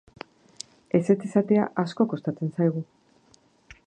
Ezetz esatea asko kostatzen zaigu.